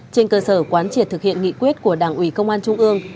trên cơ sở quán triệt thực hiện nghị quyết của đảng ủy công an trung ương